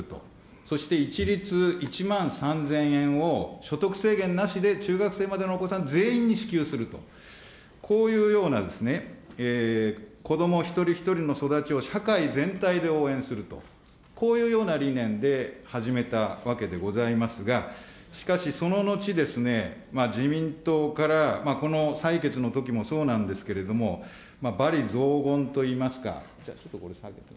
そして一律１万３０００円を、所得制限なしで中学生までのお子さん全員に支給すると、こういうようなですね、子ども一人一人の育ちを社会全体で応援すると、こういうような理念で始めたわけでございますが、しかしその後ですね、自民党からこの採決のときもそうなんですけれども、罵詈雑言といいますか。